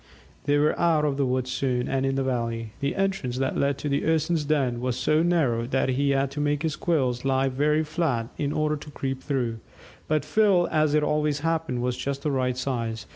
They were out of the wood soon and in the valley. The entrance that led to the Urson's den was so narrow that he had to make his quills lie very flat in order to creep through, but Phil, as it always happened, was just the right size.